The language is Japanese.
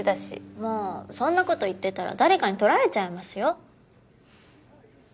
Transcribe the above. もうそんなこと言ってたら誰かに盗られちゃいますよ。